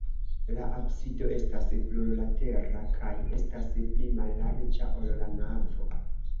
La absido estas plurlatera kaj estas pli mallarĝa, ol la navo.